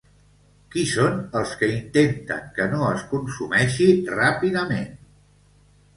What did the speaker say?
Qui són els que intenten que no es consumeixi ràpidament?